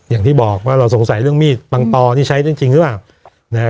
อย่างที่บอกว่าเราสงสัยเรื่องมีดปังตอที่ใช้ได้จริงหรือเปล่านะฮะ